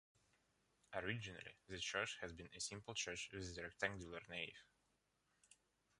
Originally, the church has been a simple church with a rectangular nave.